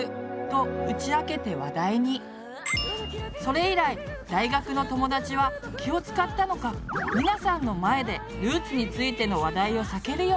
それ以来大学の友だちは気を遣ったのかミナさんの前でルーツについての話題を避けるようになった。